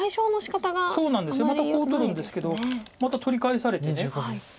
そうなんですまたコウ取るんですけどまた取り返されて。